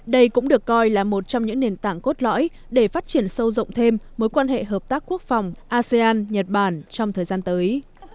đây cũng được coi là một trong những nền tảng cốt lõi để phát triển sâu rộng thêm mối quan hệ hợp tác quốc phòng asean nhật bản trong thời gian tới